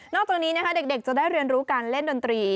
จากนี้นะคะเด็กจะได้เรียนรู้การเล่นดนตรี